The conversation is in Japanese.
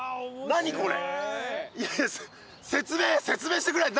何これ？